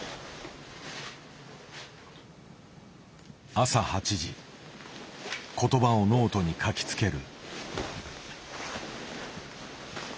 朝８時言葉をノートに書きつける。